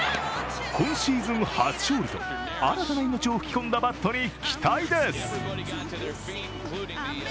今シーズン初勝利と新たな命を吹き込んだバットに期待です。